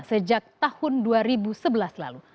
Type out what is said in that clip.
sejak tahun dua ribu sebelas lalu